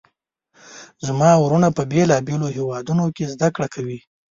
زما وروڼه په بیلابیلو هیوادونو کې زده کړه کوي